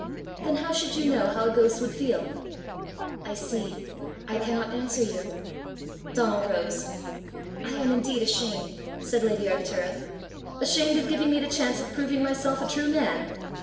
"Then how should you know how a ghost would feel?" "I see! I cannot answer you." Donal rose. "I am indeed ashamed!" said lady Arctura. "Ashamed of giving me the chance of proving myself a true man?"